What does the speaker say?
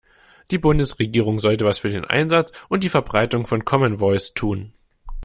Die Bundesregierung sollte was für den Einsatz und die Verbreitung von Common Voice tun.